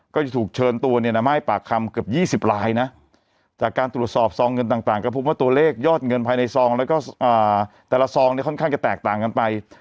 ก็จะถูกเชิญตัวเนี่ยนะมาให้ปากคำเกือบ๒๐ลายนะจากการตรวจสอบซองเงินต่างก็พบว่าตัวเลขยอดเงินภายในซองแล้วก็แต่ละซองเนี่ยค่อนข้างจะแตกต่างกันไป